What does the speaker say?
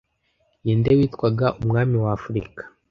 Ninde witwaga umwami w'afurika